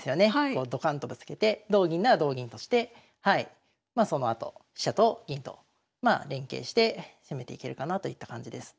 こうドカンとぶつけて同銀なら同銀としてまあそのあと飛車と銀と連係して攻めていけるかなといった感じです。